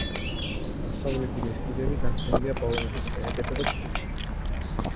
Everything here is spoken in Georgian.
დასავლეთი ბესკიდები განფენილია პოლონეთში, სლოვაკეთსა და ჩეხეთში.